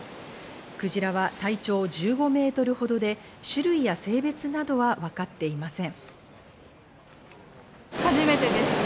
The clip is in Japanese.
クジラは体長１５ｍほどで種類や性別などは分かっていません。